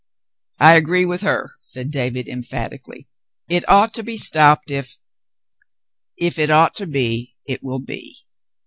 "I agree with her," said David, emphatically. "It ought to be stopped if —" "If it ought to be, it will be.